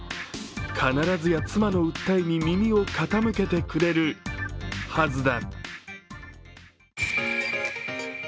必ずや妻の訴えに耳を傾けてくれるはずだ。